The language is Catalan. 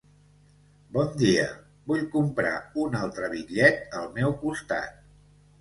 Bon dia, vull comprar un altre bitllet al meu costat.